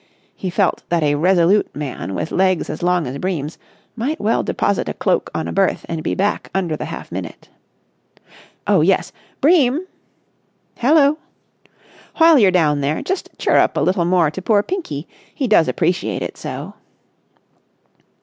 He felt that a resolute man with legs as long as Bream's might well deposit a cloak on a berth and be back under the half minute. "Oh yes! Bream!" "Hello?" "While you're down there, just chirrup a little more to poor Pinky. He does appreciate it so!"